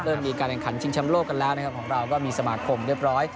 มีการแข่งขันชิงชำโลกกันแล้วนะครับของเราก็มีสมาคมเรียบร้อย